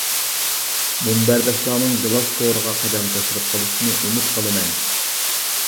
مۇنبەرداشلارنىڭ گىلاس تورىغا قەدەم تەشرىپ قىلىشىنى ئۈمىد قىلىمەن.